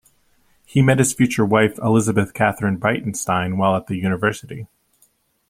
He met his future wife, Elizabeth Katherine Breitenstein, while at the university.